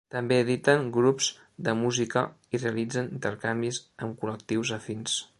També editen grups de música i realitzen intercanvis amb col·lectius afins.